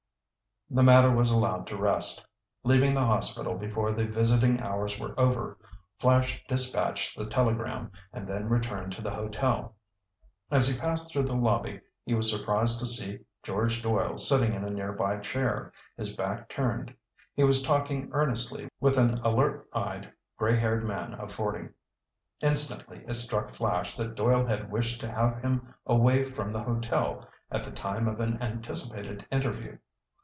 The matter was allowed to rest. Leaving the hospital before the visiting hours were over, Flash dispatched the telegram, and then returned to the hotel. As he passed through the lobby he was surprised to see George Doyle sitting in a near by chair, his back turned. He was talking earnestly with an alert eyed, gray haired man of forty. Instantly it struck Flash that Doyle had wished to have him away from the hotel at the time of an anticipated interview.